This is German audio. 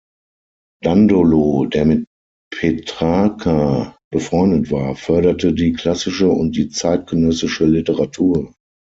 Dandolo, der mit Petrarca befreundet war, förderte die klassische und die zeitgenössische Literatur.